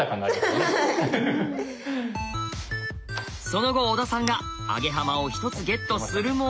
その後小田さんがアゲハマを１つゲットするも。